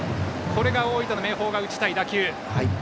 これが大分の明豊が打ちたい打球。